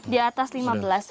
di atas lima belas